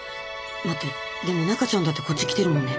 待ってでも中ちゃんだってこっち来てるもんね。